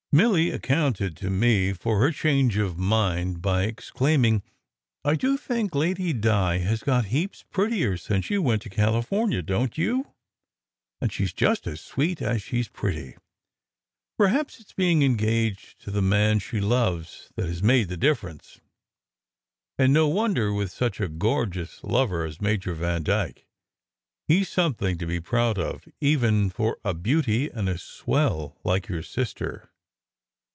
Milly accounted to me for her change of mind by ex claiming: "I do think Lady Di has got heaps prettier since she went to California, don t you? And she s just as sweet as she s pretty. Perhaps it s being engaged to the man she loves that has made the difference. And no won der, with such a gorgeous lover as Major Vandyke ! He s something to be proud of even for a beauty and a swell like your sister."